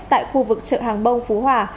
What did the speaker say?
tại khu vực trợ hàng bông phú hòa